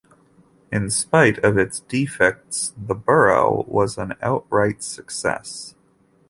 In spite of its defects, "The Borough" was an outright success.